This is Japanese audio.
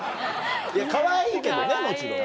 いやかわいいけどねもちろんね。